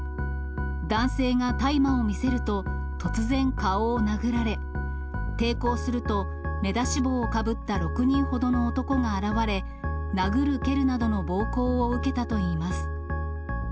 男性が大麻を見せると、突然、顔を殴られ、抵抗すると、目出し帽をかぶった６人ほどの男が現れ、殴る蹴るなどの暴行を受けたといいます。